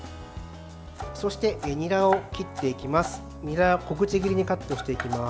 そして、にらを切っていきます。